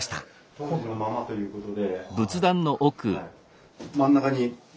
当時のままということで。